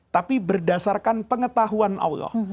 tapi berdasarkan pengetahuan allah